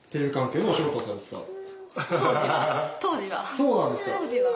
そうなんですか。